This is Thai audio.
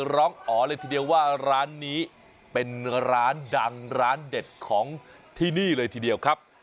ร้องอ๋อเลยทีเดียวว่าร้านนี้เป็นร้านดังร้านเด็ดของที่นี่เลยทีเดียวครับ